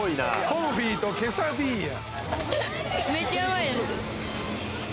コンフィとケサディーヤ。